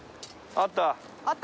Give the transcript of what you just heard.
あった？